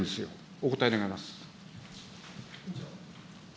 お答え願います。